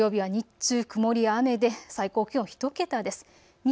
土曜日は日中曇りや雨で最高気温１桁です。